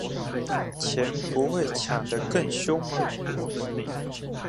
錢不會搶得更兇嗎？